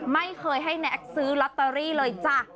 ไม่เคยให้แน็กซื้อลอตเตอรี่เลยจ้ะ